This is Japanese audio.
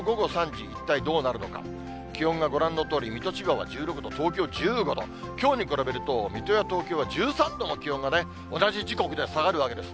気温がご覧のとおり、水戸、千葉は１６度、東京１５度、きょうに比べると、水戸や東京は１３度も気温が、同じ時刻で下がるわけです。